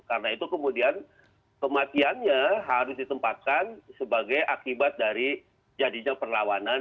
karena itu kemudian kematiannya harus ditempatkan sebagai akibat dari jadinya perlawanan